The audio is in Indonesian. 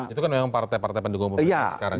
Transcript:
itu kan memang partai partai pendukung pemerintah sekarang